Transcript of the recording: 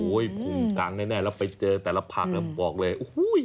โอ้ยภูมิกลางแน่แล้วไปเจอแต่ละผักบอกเลย